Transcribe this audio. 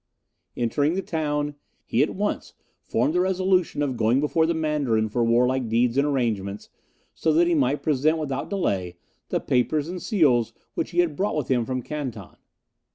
Entering the town, he at once formed the resolution of going before the Mandarin for Warlike Deeds and Arrangements, so that he might present, without delay, the papers and seals which he had brought with him from Canton.